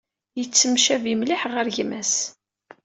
Yettemcabi mliḥ ɣer gma-s.